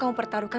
gimana enak kan